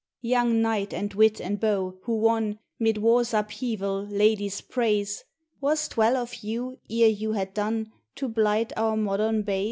Young knight and wit and beau, who won Mid war's upheaval, ladies' praise, Was't well of you, ere you had done, To blight our modern bays?